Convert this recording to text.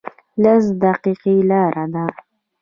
لس دقیقې لاره ده